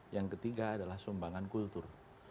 yang ketiga adalah sumbangan kultur